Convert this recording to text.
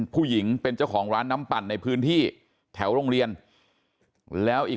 ผู้หญิงเป็นเจ้าของร้านน้ำปั่นในพื้นที่แถวโรงเรียนแล้วอีก